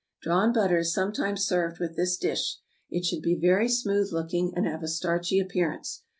Drawn butter is sometimes served with this dish. It should be very smooth looking, and have a starchy appearance.